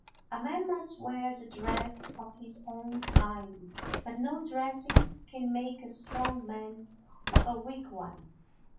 A man must wear the dress of his own time, but no dressing can make a strong man of a weak one.